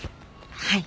はい。